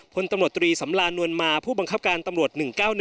พลตำรวจตรีสำรานวลมาผู้บังคับการตำรวจ๑๙๑